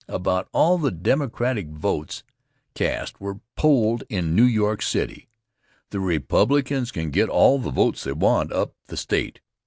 About all the Democratic votes cast were polled in New York City. The Republicans can get all the votes they want up the State.